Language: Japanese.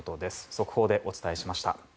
速報でお伝えしました。